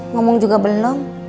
ngomong juga belum